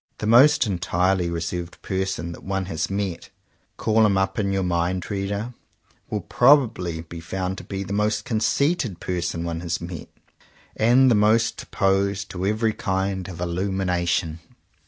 The most entirely reserved person that one has met — call him up in your mind, reader! — will probably be found to be the most conceited person one has met, and the most opposed to every kind of illumination.